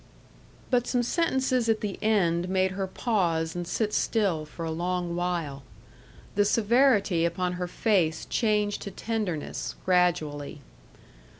But some sentences at the end made her pause and sit still for a long while. The severity upon her face changed to tenderness, gradually.